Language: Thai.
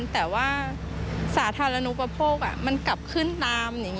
แต่ว่าสาธารณูปโภคมันกลับขึ้นตาม